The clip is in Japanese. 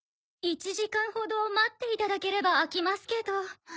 １時間ほど待っていただければ空きますけど。